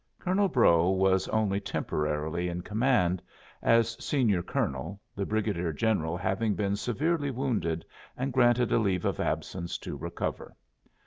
Colonel Brough was only temporarily in command, as senior colonel, the brigadier general having been severely wounded and granted a leave of absence to recover.